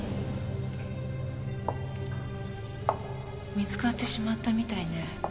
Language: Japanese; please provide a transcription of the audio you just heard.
見つかってしまったみたいね。